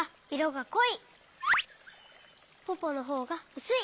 ポポのほうがうすい。